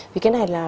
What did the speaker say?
vì cái này là